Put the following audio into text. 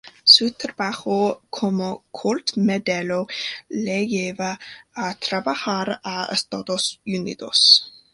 Su trabajo como "Colt modelo" le lleva a trabajar a Estados Unidos.